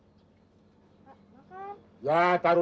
menjadi kemampuan anda